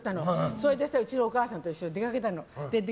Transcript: それでうちのお母さんと一緒に電話をかけたの。